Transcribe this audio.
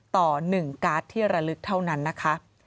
ต่อ๑การ์ดที่ระลึกเท่านั้นนะคะ